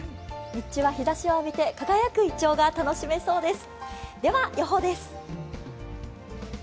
日中は日ざしを見て輝くいちょうが楽しめそうです。